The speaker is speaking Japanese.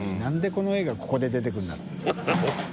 この絵がここで出てくるんだろう？梅沢）